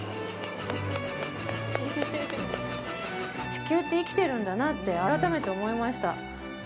地球って生きてるんだなって改めて思いました。